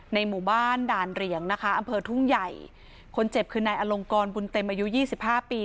หมู่บ้านด่านเหรียงนะคะอำเภอทุ่งใหญ่คนเจ็บคือนายอลงกรบุญเต็มอายุยี่สิบห้าปี